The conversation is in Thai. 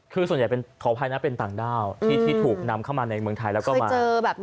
คือส่วนใหญ่เป็นขออภัยนะเป็นต่างด้าวที่ถูกนำเข้ามาในเมืองไทยแล้วก็มาเจอแบบนี้